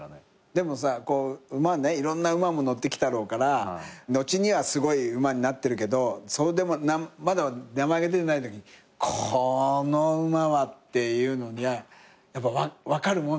でもさいろんな馬も乗ってきたろうから後にはすごい馬になってるけどまだ名前が出てないときこの馬はってやっぱ分かるもんなの？